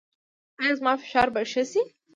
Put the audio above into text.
ایا زما فشار به ښه شي؟